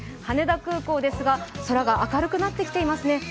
羽田空港ですが、空が明るくなってきていますね。